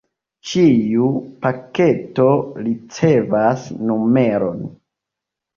Ĉiu paketo ricevas numeron.